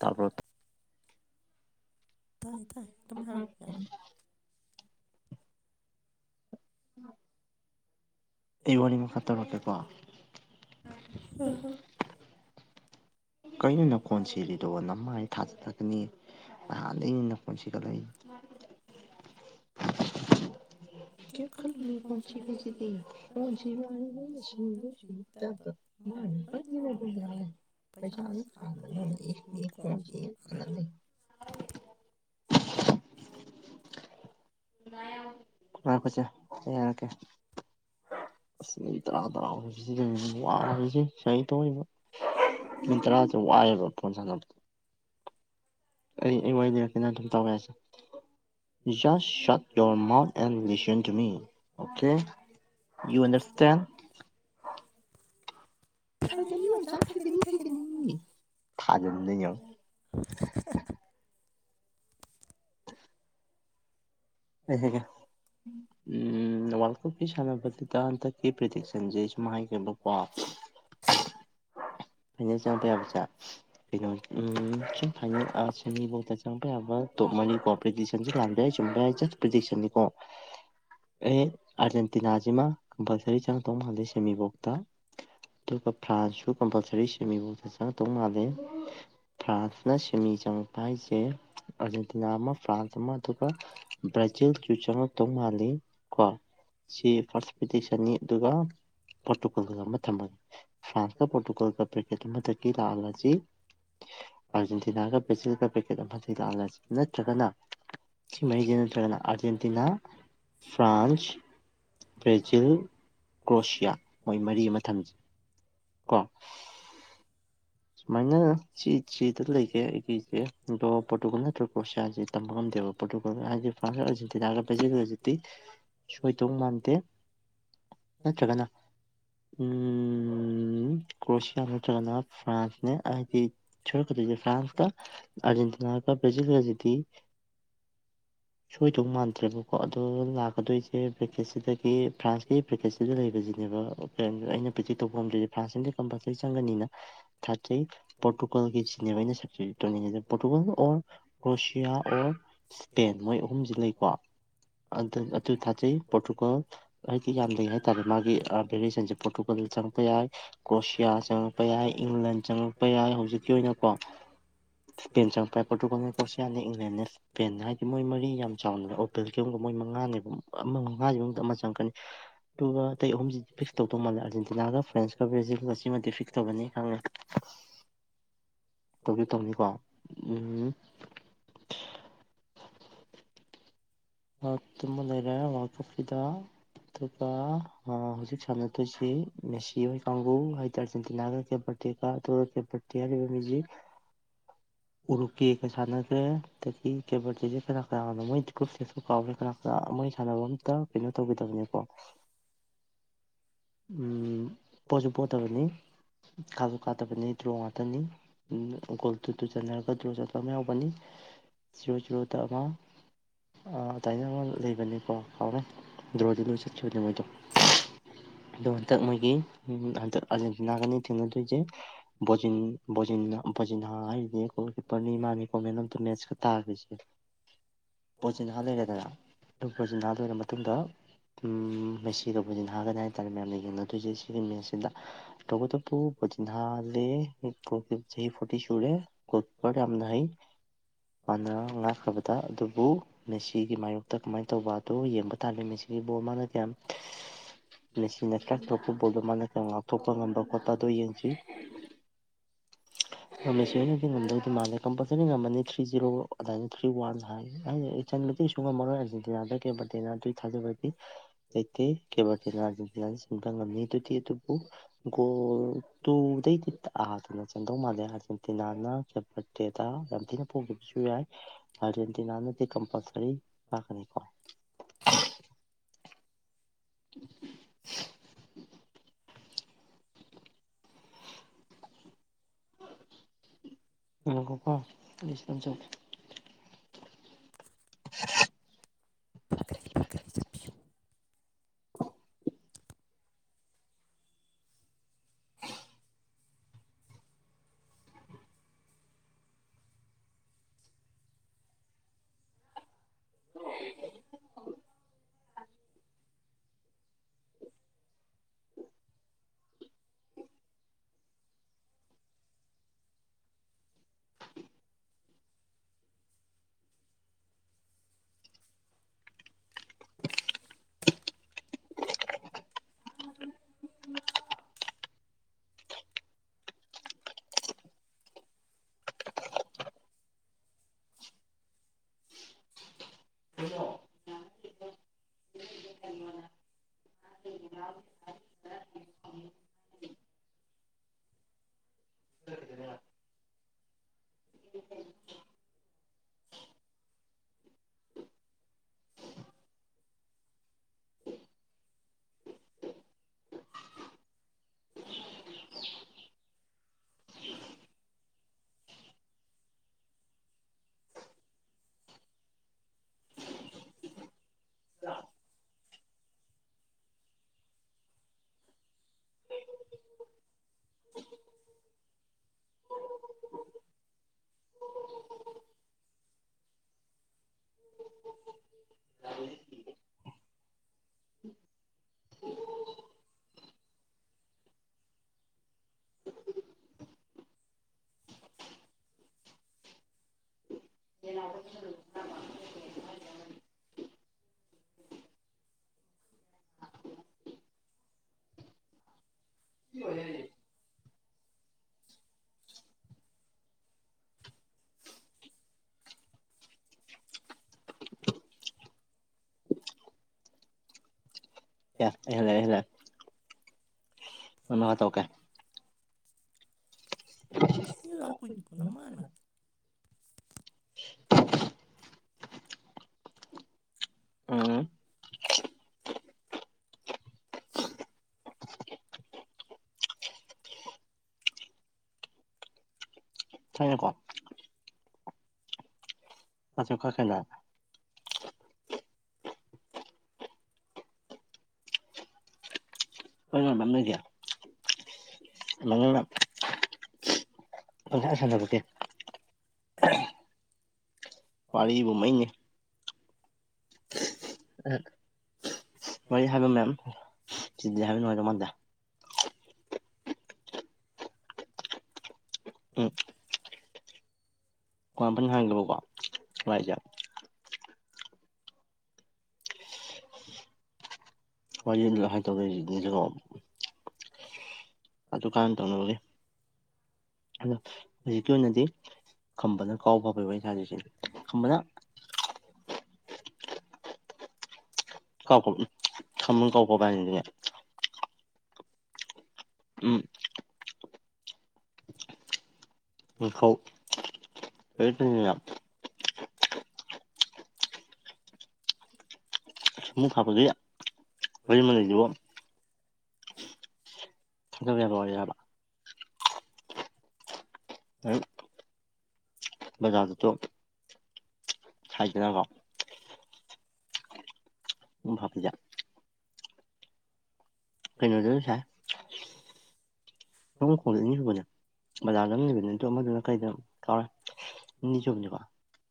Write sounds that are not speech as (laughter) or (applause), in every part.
ꯇꯄ ꯇꯥꯏ ꯇꯥꯏ ꯑꯗꯨ ꯍꯥꯏ ꯌꯥꯅꯤ ꯑꯩ ꯋꯥꯔꯤ ꯃꯈꯥ ꯇꯧꯔꯛꯀꯦꯀꯣ ꯍ ꯍꯣ ꯀꯩꯅꯣ ꯅ ꯀꯣꯟꯁꯤꯜꯂꯤꯗꯣ ꯅꯝꯃꯥꯏ ꯊꯥꯖꯠꯆꯒꯦ ꯅꯍꯥꯟꯗꯒꯤꯅꯤꯅ ꯄꯨꯁꯤꯒꯠꯂꯏ ꯀ ꯄꯁꯤ ꯄ ꯇ (unintelligible) ꯄ ꯆꯥ ꯆ ꯐ ꯋꯥꯄ ꯆꯦ ꯌꯥꯔꯀꯦ ꯑꯁ ꯅꯨ ꯇꯔꯥ ꯇꯔꯥ ꯋꯥꯁꯦ ꯁꯕ ꯅꯨꯠ ꯇꯔꯥ ꯆꯉ ꯋꯥꯏꯕꯣ ꯐꯣꯟꯁ ꯑꯩ ꯑꯩ ꯋꯥꯔꯤ ꯂꯩꯔꯛꯀꯦꯗ ꯑꯗꯨꯝ ꯇꯧꯒꯦꯁꯦ ꯁ ꯁ ꯌ ꯃꯥꯎꯠ ꯑꯦ ꯑꯣꯦ ꯌ ꯑꯔꯁꯇ ꯊ ꯆꯥꯛꯁꯤ ꯀꯅꯤꯁꯤ ꯀꯅꯤꯅꯤ ꯊꯥꯖꯝ ꯂꯩ ꯍ ꯍꯒ ꯎꯝ ꯋꯥꯔꯜ ꯀꯞꯀꯤ ꯁꯥꯟꯅꯕꯗꯟꯛꯀꯤ ꯄ ꯁꯟꯖꯦꯁ ꯀ ꯀꯣ (unintelligible) ꯐꯥꯏꯅꯦꯜ ꯆꯪꯉꯛꯄ ꯌꯥꯕꯁꯦ ꯀꯩꯅꯣ ꯎ ꯐꯥꯏꯅꯦꯜ ꯁꯤꯅꯤꯕꯣꯛꯗ ꯆꯪꯉꯛꯄ ꯌꯥꯕ ꯇꯣꯃꯅꯤꯀꯣ ꯄ꯭ꯗꯤꯁꯟꯁꯤ ꯂꯥꯟꯕ ꯌꯥꯏ ꯆꯨꯝꯕ ꯌꯥꯏ ꯖꯠ ꯄ꯭ꯗꯤꯁꯟꯅꯤꯀꯣ ꯑꯩ ꯑꯥꯔꯖꯦꯟꯇꯤꯅꯥꯁꯤꯃ ꯀꯝꯄꯜꯁꯔꯤ ꯆꯪꯗꯧ ꯃꯥꯜꯂꯤꯦ ꯁꯦꯃꯤꯕꯣꯛꯇ ꯑꯗꯨꯒ ꯐ꯭ꯔꯥꯟꯁꯁꯨ ꯀꯝꯄꯜꯁꯔꯤ ꯁ꯭ꯋꯤꯝꯃꯤꯡꯐꯣꯛꯗ ꯆꯪꯉꯗꯧ ꯃꯥꯂꯦ ꯐ꯭ꯔꯥꯟꯁꯅ ꯁꯤꯃꯤ ꯆꯪꯉꯛꯄ ꯍꯥꯏꯁꯦ ꯑꯥꯔꯖꯦꯟꯇꯤꯅꯥ ꯑꯃ ꯐ꯭ꯔꯥꯟꯁ ꯑꯃ ꯑꯗꯨꯒ ꯕ꯭ꯔꯖꯤ ꯀꯆꯦꯜ ꯀꯁꯨ ꯆꯉ ꯇꯧ ꯃꯥꯜꯂꯤ ꯀꯣ ꯁꯤ ꯐꯥꯔꯁ ꯄꯇꯦꯛꯁꯟꯅꯤ ꯑꯗꯨꯒ ꯄꯣꯔꯇꯨꯒꯜꯒ ꯑꯃ ꯊꯝꯃꯒ ꯐ꯭ꯔꯥꯟꯁꯀ ꯄꯣꯔꯇꯨꯒꯜꯒ ꯄ꯭ꯔꯤꯀꯦꯠ ꯑꯃꯗꯒꯤ ꯂꯥꯛꯑꯒ ꯑꯁꯤ ꯑꯥꯔꯖꯦꯟꯇꯤꯅꯥꯒ ꯕ꯭ꯔꯦꯖꯤꯜꯒ ꯄꯦꯀꯦꯠ ꯑꯃ ꯊꯤ ꯂꯛꯂ ꯅꯠꯇ꯭ꯔꯒꯅ ꯁꯤ ꯃꯠꯇꯔꯅ ꯑꯔꯖꯦꯟꯇꯤꯅꯥ ꯐ꯭ꯔꯥꯟꯁ ꯕ꯭ꯔꯦꯖꯤꯜ ꯀ꯭ꯔꯣꯁꯤꯌꯥ ꯃꯣꯏ ꯃꯔꯤ ꯑꯃ ꯊꯝꯖꯩ ꯀ (unintelligible) ꯁꯨꯃꯥꯏꯅ ꯁꯤ ꯁꯤꯗ ꯂꯩꯒꯦ ꯑꯩꯒꯤꯁꯦ ꯑꯗꯣ ꯄꯣꯇꯨꯒꯜ ꯅꯠꯇ꯭ꯔꯒ ꯀ꯭ꯔꯣꯁꯤꯌꯥꯁꯦ ꯇꯝꯕ ꯉꯝꯗꯦꯕ ꯄꯣꯔꯇꯨꯒꯜ ꯍꯥꯏꯗꯤ ꯐ ꯑꯥꯔꯖꯦꯟꯇꯤꯅꯥꯒ ꯚꯖ ꯍꯧꯖꯤꯛꯇꯤ ꯁꯣꯏꯗꯧ ꯃꯥꯟꯗꯦ ꯒꯅꯥ ꯎꯝ ꯀꯣ ꯆ ꯐ꯭ꯔꯥꯟꯁ ꯐ꯭ꯔꯥꯟꯁ ꯀ ꯑꯔꯖꯦꯟꯇꯤꯅꯥ ꯀ ꯭ꯔꯥꯖꯤꯜ ꯀ (unintelligible) ꯁꯣꯏꯗꯧ ꯃꯥꯟꯗ꯭ꯔꯦꯕꯀꯣ ꯑꯗꯣ ꯂꯥꯛꯀꯗꯣꯏꯁꯦ ꯕ꯭ꯔꯦꯀꯦꯠꯁꯤꯗꯒꯤ ꯐ꯭ꯔꯥꯟꯁꯀꯤ ꯕ꯭ꯔꯦꯀꯦꯠꯁꯤꯗ ꯂꯩꯕꯁꯤꯅꯦ ꯩꯅ ꯄꯤ ꯇꯗ ꯐꯔ ꯀꯝꯄꯜꯁꯔꯤ ꯆꯪꯒꯅꯤꯅ ꯊꯥꯔ ꯄꯣꯇꯨꯒꯜ ꯀ ꯆꯕꯅ ꯁ ꯄꯣꯇꯨꯒꯜ ꯑꯣꯔ ꯀ꯭ꯔꯣꯁꯤꯌꯥ ꯑꯣ ꯏꯁꯄꯦꯟ ꯃꯣꯏ ꯑꯍꯨꯝꯁꯤ ꯂꯩꯀꯣ ꯑꯗꯨ ꯑꯗꯨ ꯊꯥꯖꯩ ꯄꯣꯔꯇꯨꯒꯜ ꯍꯥꯏꯗꯤ ꯌꯥꯝꯗꯩ ꯍꯥꯏꯇꯥꯔꯦ ꯃꯥꯒꯤ ꯚꯦꯔꯤꯌꯦꯁꯟꯁꯦ ꯄꯣꯔꯇꯨꯒꯜ ꯆꯪꯉꯛꯄ ꯌꯥꯏ ꯀ꯭ꯔꯣꯁꯤꯌꯥ ꯆꯪꯉꯛꯄ ꯌꯥꯏ ꯏꯪꯂꯦꯟ ꯆꯪꯉꯛꯄ ꯌꯥꯏ ꯍꯧꯖꯤꯛꯀꯤ ꯑꯣꯏꯅꯀꯣ ꯏꯁꯄꯦꯟ ꯆꯪꯉꯛꯄ ꯄꯣꯔꯇꯨꯒꯜꯅ ꯀꯧꯁꯤꯌꯥꯅꯦ ꯏꯪꯂꯦꯦ ꯏꯁꯄꯦꯟ ꯍꯥꯏꯗꯤ ꯃꯣꯏ ꯃꯔꯤ ꯌꯥꯝ ꯆꯥꯎꯅ ꯑꯣ ꯄꯜ ꯃꯣꯏ ꯃꯉꯥꯅꯦꯕ ꯑꯃ ꯃꯉꯥꯒꯤ ꯃꯅꯨꯡꯗ ꯑꯃ ꯆꯪꯉꯛꯀꯅꯤ ꯑꯗꯨꯒ ꯑ ꯑꯍꯨꯝꯁꯤꯗꯤ ꯐꯤꯛꯁ ꯇꯧꯗꯧ ꯃꯥꯜꯂꯦ ꯑꯔꯖꯦꯟꯇ ꯂꯥꯛꯑꯒ ꯐ꯭ꯔꯦꯟꯁ ꯀꯕꯦꯖꯁꯤꯒ ꯁꯤꯃꯗꯤ ꯐꯤꯛꯁ ꯇꯧꯕꯅꯤ ꯈꯪꯉꯦ ꯇꯧꯁꯨ ꯇꯧꯅꯤꯀꯣ ꯎꯝ ꯑ ꯇꯃꯅ ꯂꯩꯔꯦ ꯋꯥꯀꯑꯐꯗ ꯑꯗꯨꯒ ꯍꯧꯖꯤꯛ ꯁꯥꯟꯅꯗꯣꯏꯁꯤ ꯃꯦꯁꯤ ꯍꯣꯏ ꯀꯥꯡꯕꯨ ꯍꯥꯏꯇꯥꯔꯦ ꯆꯇꯤ ꯅꯥ꯭ꯔꯦ ꯇꯌꯥꯖꯤ ꯎꯔꯨꯛꯀꯤꯒ ꯁꯥꯟꯅꯈ꯭ꯔꯦ ꯑꯗꯒꯤ ꯀꯦꯕꯔꯁꯦ ꯈꯔ ꯀꯔꯅꯣ ꯃ ꯀꯥꯎꯦ ꯀꯅꯥ ꯀꯅꯥ ꯃꯣꯏ ꯁꯥꯟꯅꯕ ꯑꯝꯇ ꯀꯩꯅꯣ ꯇꯧꯤꯗꯕꯅꯦꯀꯣ ꯎꯝ ꯄꯆꯨ ꯄꯣꯠꯇꯔꯅꯤ ꯈꯥꯗ ꯀꯥꯗꯕꯅꯤ ꯗ꯭ꯔꯣ ꯉꯥꯛꯇꯅꯤ ꯒꯣꯜ ꯇꯨ ꯇꯨ ꯆꯟꯅꯔꯒ ꯗ꯭ꯔꯣ ꯆꯠꯄ ꯑꯃ ꯌꯥꯎꯕꯅꯤ ꯆꯨꯔ ꯆꯨꯔ ꯇ ꯑꯃ ꯑꯗꯨꯃꯏꯅ ꯑꯃ ꯂꯩꯕꯅꯦꯀꯣ ꯀꯥꯎꯔꯦ ꯗ꯭ꯔꯣꯗꯤ ꯂꯣꯏ ꯆꯠꯈꯤꯕꯅꯦ ꯃꯣꯏꯗꯣ ꯑꯗꯣ ꯍꯟꯗꯛ ꯃꯣꯏꯒꯤ ꯍꯟꯗꯛ ꯑꯥꯔꯖꯦꯟꯇꯤꯅꯥꯒꯅꯤ ꯊꯦꯡꯅꯗꯣꯏꯁꯦ ꯕꯣꯖꯤ ꯕꯣꯖꯤ ꯣꯖꯤ ꯅꯍꯥ ꯍꯥꯏꯔꯤꯅꯦ ꯒꯣꯜ ꯀꯤꯄꯔꯅꯤ ꯃꯥꯅꯤ ꯀꯣꯃꯦꯟ ꯑꯝꯇ ꯃꯦꯠꯁꯀ ꯇꯥꯈ꯭ꯁꯦ ꯄꯣꯠꯁꯤ ꯅꯍꯥ ꯂꯩꯔꯦꯗꯅ ꯑꯗꯨ ꯄꯣꯠꯁꯤ ꯅꯍꯥ ꯂꯣꯏꯔꯕ ꯃꯇꯨꯡꯗ ꯃꯩꯁꯤꯒ ꯄꯣꯠꯖꯤꯍꯒꯅꯤ ꯍꯥꯏ ꯍꯥꯏꯔꯦ ꯃꯌꯥꯝꯅ ꯌꯦꯡꯅꯗꯣꯏꯁꯦ ꯁꯤꯒꯤ ꯃꯦꯠꯁꯁꯤꯗ ꯇꯣꯇꯄꯨꯣꯇꯍꯥꯂꯦ ꯆꯍꯤ ꯐꯨꯇꯤ ꯆꯨꯔꯦꯣꯨꯞꯄꯔ ꯌꯥꯝꯅ ꯄꯥꯟꯅ ꯉꯥꯛꯈ꯭ꯔꯕꯗ ꯑꯗꯨꯕꯨ ꯃꯦꯁꯤꯒꯤ ꯃꯥꯌꯣꯛꯇ ꯀꯃꯥꯏꯅ ꯇꯧꯕ ꯑꯗꯨ ꯌꯦꯡꯕ ꯇꯥꯜꯂꯤꯦ ꯃꯦꯁꯤꯒꯤꯕꯨ ꯃꯥꯅꯗꯤ ꯌꯥꯝ ꯃꯦꯆꯟꯅ ꯀ꯭ꯔꯛ ꯇ ꯐꯨꯠꯕꯣꯜꯗꯣ ꯃꯥꯅ ꯉꯥꯛꯞꯊꯣꯛꯄ ꯉꯝꯕ ꯈꯣꯠꯄ ꯑꯗꯨꯣ ꯌꯦꯡꯁꯤ (unintelligible) ꯉꯝꯃꯦꯁꯨ ꯑꯅꯗꯤ ꯉꯝꯗꯧꯗꯤ ꯃꯥꯟꯂꯦ ꯀꯝꯄꯜꯁꯔꯤ ꯉꯝꯃꯅꯤ ꯊ꯭ꯔꯤ ꯖꯤꯔꯣ ꯑꯗꯨꯥꯏꯅ ꯊ꯭ꯔꯤ ꯋꯥꯟ ꯍꯥꯏ ꯆꯟꯕꯗꯤ ꯁꯨꯡꯉꯝꯃꯔꯣꯏ ꯑꯥꯔꯖꯦꯟꯇꯤꯅꯥꯗ ꯀꯦꯕꯔꯇꯤꯅꯥꯗꯨꯒꯤ ꯊꯥꯖꯕꯗꯤꯇꯩꯦ ꯇ ꯇꯕꯨꯣ ꯇꯨꯗꯩꯅ ꯆꯗꯧ ꯃꯥꯜꯂꯦ ꯑꯥꯔꯖꯦꯟꯇꯤꯅꯥꯅꯔꯗꯦꯗ ꯌꯥꯝ ꯊꯤꯅ ꯄꯈꯤꯕꯁꯨ ꯌꯥꯏ ꯑꯥꯔꯖꯦꯟꯇꯤꯅꯥꯅꯗꯤ ꯄꯁꯔꯤ ꯀ ꯈꯅꯤꯀ (unintelligible) ꯑꯣ ꯀꯣ ꯆ (unintelligible) ꯄꯒꯅꯤ ꯆꯠꯄꯤꯌꯨ (unintelligible) (unintelligible) (unintelligible) ꯍ (unintelligible) (unintelligible) ꯀ ꯑꯣꯏꯣ ꯍꯦ ꯌꯥ ꯏꯂ ꯏꯂ ꯑ ꯋꯥ ꯇ ꯑꯣ ꯀꯦ ꯂꯥꯎ ꯀꯨꯀꯃꯥꯏ ꯃꯥꯥꯏ ꯇꯁꯨ ꯀꯥ ꯈꯦꯂ ꯍ ꯃꯔ ꯅꯣꯏꯁꯦ ꯄꯥ ꯁꯥꯟꯗꯄꯒꯦ ꯄꯥꯕꯨꯨꯝꯃꯩꯅꯦ ꯃ ꯍꯥꯏꯕ ꯃꯦꯝ ꯍꯥꯏꯕ ꯅꯨꯡꯉꯥꯏꯔꯃꯗ ꯎꯝ ꯀꯄꯟ ꯍꯥꯡꯗꯕꯀꯣ ꯏꯖꯠ ꯍ ꯍꯥꯏ ꯇꯧꯔꯦꯣ ꯑ ꯑꯗꯨ ꯀꯥꯏ ꯇꯧꯅꯒꯦ ꯑꯗꯣ ꯍꯧꯖꯤꯛꯀꯤ ꯑꯣꯏꯅꯗꯤ ꯈꯝꯕꯅ ꯀꯥꯎ ꯐꯕꯕ ꯏꯁꯥꯖꯁꯤꯗꯤ ꯈꯝꯕꯅ (inaudible) ꯀꯥꯎꯄ ꯀꯃ ꯀꯥꯎꯄꯄ ꯎꯝ ꯈꯧꯦꯌꯥꯝ (unintelligible) ꯑꯃꯨꯛ ꯍꯥꯞꯄꯗ ꯑꯩꯣꯏ ꯑꯃ ꯂꯩꯁꯤꯕꯣ ꯊ ꯌꯥꯕ ꯌꯥꯕ (unintelligible) ꯖꯥꯗ (unintelligible) ꯁꯥꯏꯗꯅ ꯀ ꯚꯥꯕ ꯌꯥy (unintelligible) ꯀꯩꯅꯩꯅꯗꯁ ꯑꯅꯤ ꯁꯕꯅꯦ ꯕꯖꯥꯔꯗ ꯂꯩꯕꯅꯤ ꯑ ꯑꯃꯗꯨꯅ ꯀꯩꯗ ꯀꯔ. (unintelligible) ꯖꯅꯤꯕ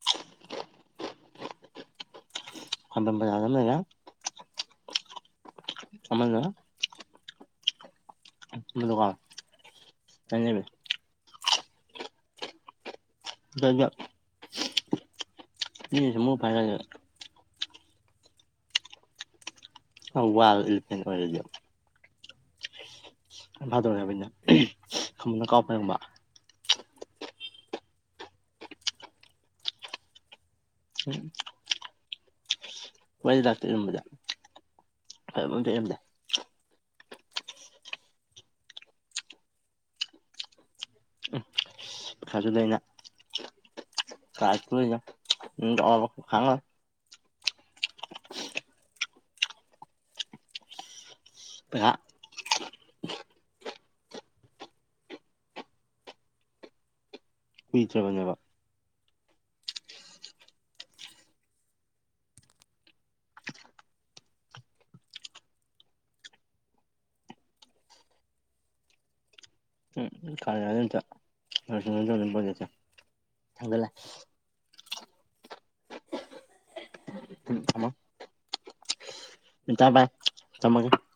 (unintelligible) ꯑꯕꯝꯕꯃꯦꯒ (unintelligible) ꯑꯃꯅ ꯗꯨꯀꯥꯟ ꯀ. (unintelligible) ꯀ (unintelligible) ꯌꯦ ꯃ ꯐꯥꯏꯔꯒꯦ (unintelligible) ꯑ ꯋꯥ ꯏ ꯑꯣꯏꯔ (unintelligible) ꯐꯥꯗꯦꯕꯅꯅ ꯀꯥꯎꯄꯒꯕ (unintelligible) ꯎꯝ ꯋꯥꯔꯤꯗꯤ ꯂꯥꯛꯄꯤꯔꯝꯕꯗꯔꯝꯗ (unintelligible) ꯈꯖꯗꯩꯅ. ꯀꯥꯁ ꯇ ꯎ ꯈꯉ (unintelligible) ꯄ (unintelligible) ꯀꯨꯏꯗ꯭ꯔꯕꯅꯦꯕ ꯎꯝ ꯀꯥꯂ ꯑꯗꯨꯝ ꯑꯗꯨꯝꯖ ꯊꯥꯡꯒꯜꯂꯦ (unintelligible) ꯇꯕꯥꯏ ꯊꯃꯒ (unintelligible)